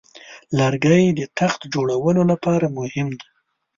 لرګی د تخت جوړولو لپاره مهم دی.